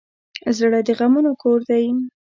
زړه د غمونو کور دی.